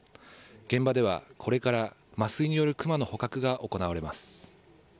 現場ではこれから麻酔によるクマの捕獲が行われます。